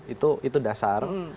itu itu dasar